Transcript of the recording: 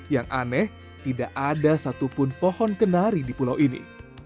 yang aneh tidak ada satupun pohon kenari di pulau ini